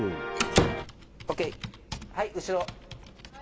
はい、後ろ。